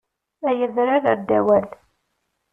Ay adrar err-d awal!